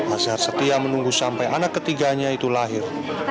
azhar setia menunggu sampai anak ketiganya itu lahir